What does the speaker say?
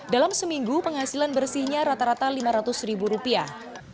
dalam seminggu penghasilan bersihnya rata rata lima ratus ribu rupiah